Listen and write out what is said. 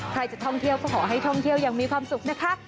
ใครจะท่องเที่ยวก็ขอให้ท่องเที่ยวอย่างมีความสุขนะคะ